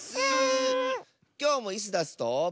きょうもイスダスと。